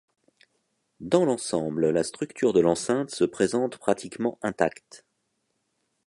Dans l'ensemble, la structure de l'enceinte se présente pratiquement intacte.